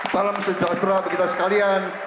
salam sejahtera bagi kita sekalian